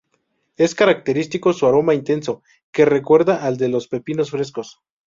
Es característico su aroma intenso, que recuerda al de los pepinos frescos.